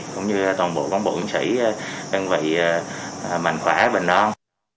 cũng như toàn bộ quân bộ quân sĩ đơn vị mạnh khỏe bình an